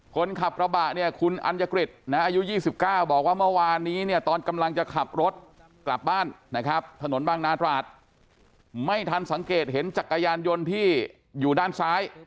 คนขับกระบะเนี่ยคุณอัญกฤษนะอายุ๒๙บอกว่าเมื่อวานนี้เนี่ยตอนกำลังจะขับรถกลับบ้านนะครับถนนบางนาตราดไม่ทันสังเกตเห็นจักรยานยนต์ที่อยู่ด้านซ้าย